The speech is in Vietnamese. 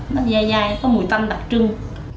nó dai dai có mùi tanh đặc trưng